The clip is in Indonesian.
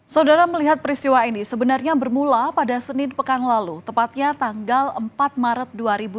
saudara melihat peristiwa ini sebenarnya bermula pada senin pekan lalu tepatnya tanggal empat maret